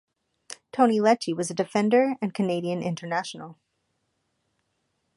Tony Lecce was a defender and Canadian international.